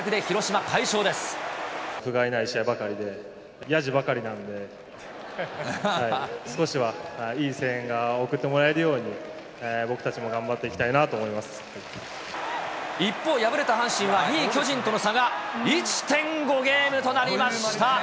ふがいない試合ばかりで、やじばかりなんで、少しはいい声援が送ってもらえるように、僕たちも頑張っていきた一方、敗れた阪神は２位巨人との差が１．５ゲームとなりました。